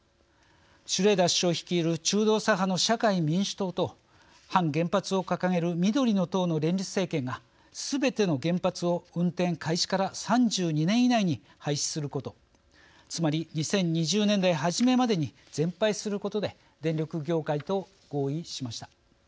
シュレーダー首相率いる中道左派の社会民主党と反原発を掲げる緑の党の連立政権がすべての原発を運転開始から３２年以内に廃止することつまり２０２０年代初めまでに全廃することで電力業界と合意しました。